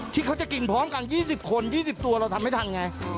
ที่เขาจะกินพร้อมกัน๒๐คน๒๐ตัวเราทำไม่ทันไง